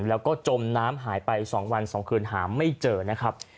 แล้วก็จมน้ำหายไป๒วัน๒คืนหาไม่เจอนะครับ